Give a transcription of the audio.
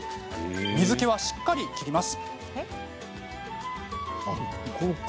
水けはしっかり切ります。